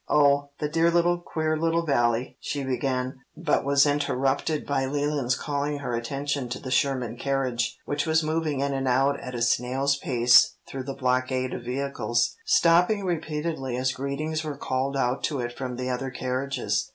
"Oh, the dear little, queer little Valley," she began, but was interrupted by Leland's calling her attention to the Sherman carriage, which was moving in and out at a snail's pace through the blockade of vehicles, stopping repeatedly as greetings were called out to it from the other carriages.